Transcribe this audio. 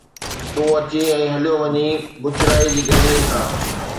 تون اچي ۽ هليو وڃين بڇڙائيءَ جي گرميءَ سان